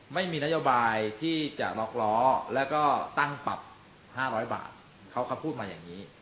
ไม่มีนโยบายที่จะล็อกล้อแล้วก็ตั้งปรับ๕๐๐บาทเขาก็พูดมาอย่างนี้